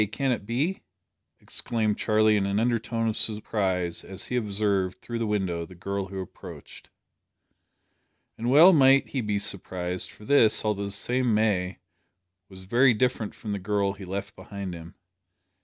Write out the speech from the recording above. Can it be?" exclaimed Charlie in an undertone of surprise as he observed, through the window, the girl who approached. And well might he be surprised, for this, although the same May, was very different from the girl he left behind him.